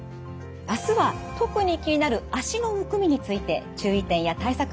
明日は特に気になる脚のむくみについて注意点や対策